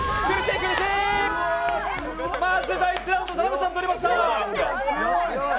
まず第１ラウンド、田辺さん取りました。